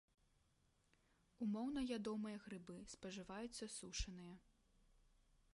Умоўна ядомыя грыбы, спажываюцца сушаныя.